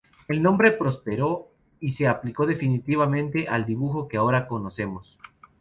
El nombre prosperó y se aplicó definitivamente al dibujo que ahora conocemos.